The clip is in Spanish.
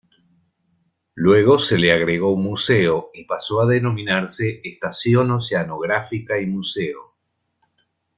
Luego se le agregó un Museo y pasó a denominarse "Estación Oceanográfica y Museo".